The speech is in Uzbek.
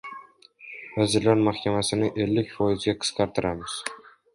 Vazirlar Mahkamasini ellik foizga qisqartiramiz.